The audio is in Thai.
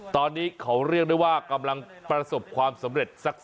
ตอนนี้เขาเรียกได้ว่ากำลังประสบความสำเร็จสัก